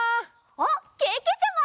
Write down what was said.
あっけけちゃま！